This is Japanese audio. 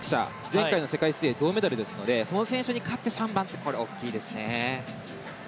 前回の世界水泳銅メダルですのでその選手にとって３番手、これは大きいですね。